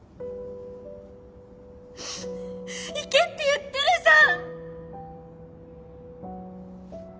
行けって言ってるじゃん！